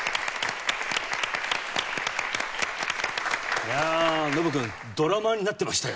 いやあ伸くんドラマーになってましたよ。